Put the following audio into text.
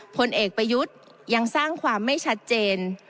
ผลเอกประยุทธ์ยังสร้างความไม่ชัดเจน